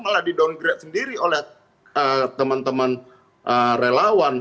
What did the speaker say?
malah didowngrade sendiri oleh teman teman relawan